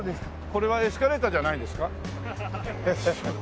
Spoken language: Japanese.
これはエスカレーターじゃないですか？